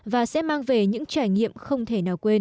và sẽ mang về những trải nghiệm không thể nào quên